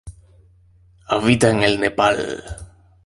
Habita en el Nepal.